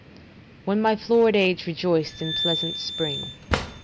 ["When my florid age rejoiced in pleasant spring."